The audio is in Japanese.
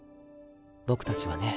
僕たちはね